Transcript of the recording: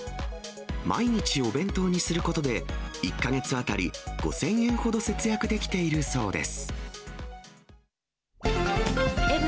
毎日お弁当にすることで、１か月当たり５０００円ほど節約できているそうです。